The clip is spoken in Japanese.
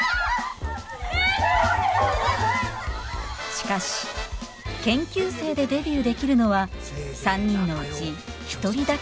しかし研究生でデビューできるのは３人のうち１人だけです